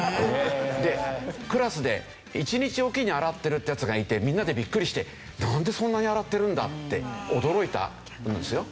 でクラスで１日置きに洗ってるってヤツがいてみんなでビックリしてなんでそんなに洗ってるんだ？って驚いたものですよ。